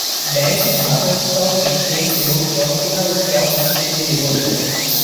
ব্যাংকটি Dhaka stock exchange এবং Chittagong stock exchange -এ নিবন্ধিত।